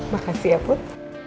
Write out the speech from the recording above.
makasih ya put